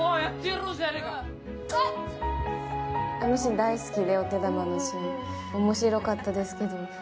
このシーン、大好きで、お手玉のシーン。面白かったですけども。